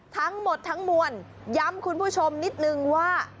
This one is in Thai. ทั้งหมดทั้งมวลย้ำคุณผู้ชมนิดนึงว่า